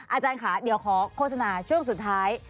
อาจารย์ค่ะเดี๋ยวขอโฆษณาช่วงสุดท้าย